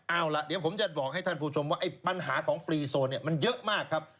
เอาล่ะเดี๋ยวผมจะบอกให้ท่านผู้ชมว่าไอ้ปัญหาของฟรีโซนเนี่ยมันเยอะมากครับ